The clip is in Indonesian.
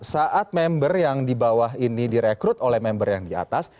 saat member yang di bawah ini direkrut oleh member yang di atas